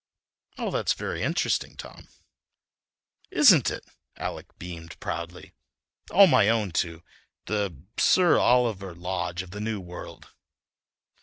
"All that's very interesting, Tom." "Isn't it?" Alec beamed proudly. "All my own, too—the Sir Oliver Lodge of the new world."